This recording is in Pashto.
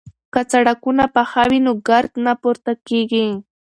که سړکونه پاخه وي نو ګرد نه پورته کیږي.